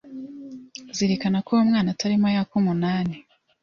Zirikana ko uwo mwana atarimo yaka umunani